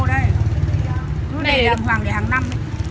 nó để đàng hoàng để hàng năm